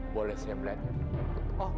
boleh saya melihat